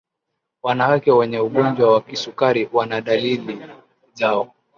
Wanawake wenye ugonjwa wa kisukari wana dalili zao